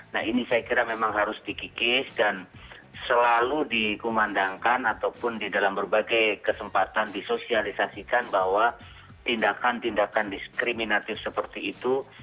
nah ini saya kira memang harus dikikis dan selalu dikumandangkan ataupun di dalam berbagai kesempatan disosialisasikan bahwa tindakan tindakan diskriminatif seperti itu